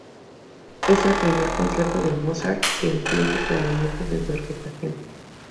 Es el primer concierto de Mozart que incluye clarinetes en su orquestación.